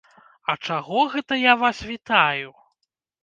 А чаго гэта я вас вітаю?